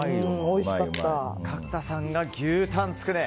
角田さんが牛たんつくね。